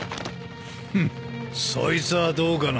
フンそいつはどうかな。